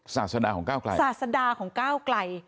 ศาสดาของก้าวไกล